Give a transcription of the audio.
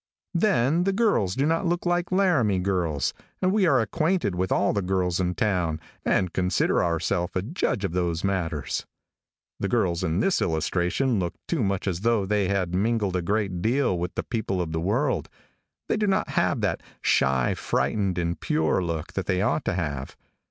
Then the girls do not look like Laramie girls, and we are acquainted with all the girls in town, and consider ourself a judge of those matters. The girls in this illustration look too much as though they had mingled a great deal with the people of the world. They do not have that shy, frightened and pure look that they ought to have.